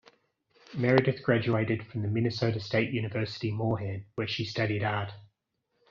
Meredith graduated from Minnesota State University Moorhead where she studied art.